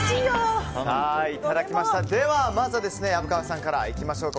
まずは虻川さんからいきましょう。